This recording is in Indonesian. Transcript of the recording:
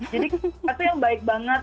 jadi aku yang baik banget